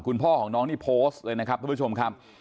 คุณพ่อของน้องนี่โพสต์เลยนะครับทุกผู้ชมครับ